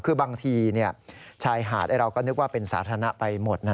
คือบางทีชายหาดเราก็นึกว่าเป็นสาธารณะไปหมดนะ